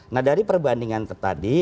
nah dari perbandingan tadi